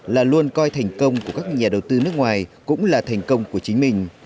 là luôn coi thành công của các nhà đầu tư nước ngoài cũng là thành công của chính mình